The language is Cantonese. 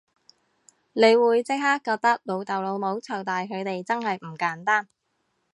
你會即刻覺得老豆老母湊大佢哋真係唔簡單